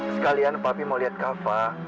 sekalian papi mau lihat kava